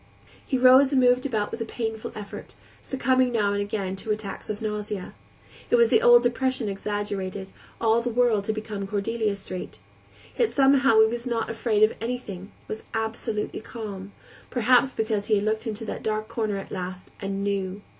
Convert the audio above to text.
He rose and moved about with a painful effort, succumbing now and again to attacks of nausea. It was the old depression exaggerated; all the world had become Cordelia Street. Yet somehow he was not afraid of anything, was absolutely calm; perhaps because he had looked into the dark corner at last and knew.